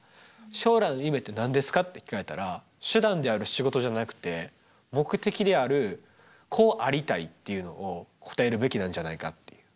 「将来の夢って何ですか？」って聞かれたら手段である仕事じゃなくて目的であるこうありたいっていうのを答えるべきなんじゃないかっていう。